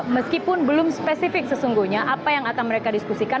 meskipun belum spesifik sesungguhnya apa yang akan mereka diskusikan